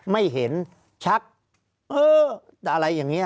ภารกิจสรรค์ภารกิจสรรค์